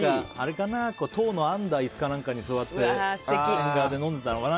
とうの編んだ椅子かなんかに座って縁側で飲んでたのかな。